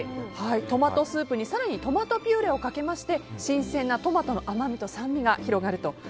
トマトスープに更にトマトピューレをかけまして新鮮なトマトの甘みと酸味が広がると。